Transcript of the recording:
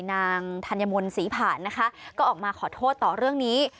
นางธัญมนต์ศรีผ่านนะคะก็ออกมาขอโทษต่อเรื่องนี้